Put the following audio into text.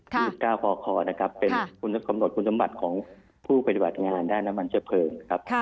ที่ก้าวคอเป็นคำหนดคุณธรรมบัติของผู้ปฏิบัติงานด้านน้ำมันเชื้อเพลิง